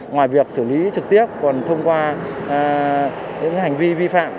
ngoài việc xử lý trực tiếp còn thông qua những hành vi vi phạm